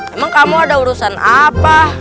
emang kamu ada urusan apa